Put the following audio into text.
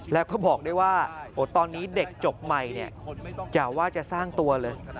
แล้วก็บอกด้วยว่าตอนนี้เด็กจบใหม่เนี่ยอย่าว่าจะสร้างตัวเลย